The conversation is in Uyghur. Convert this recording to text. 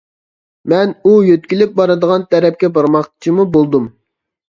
مەن ئۇ يۆتكىلىپ بارىدىغان تەرەپكە بارماقچىمۇ بولدۇم.